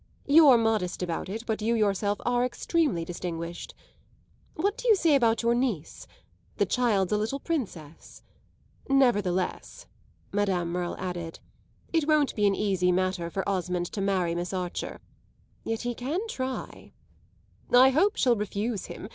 You're modest about it, but you yourself are extremely distinguished. What do you say about your niece? The child's a little princess. Nevertheless," Madame Merle added, "it won't be an easy matter for Osmond to marry Miss Archer. Yet he can try." "I hope she'll refuse him.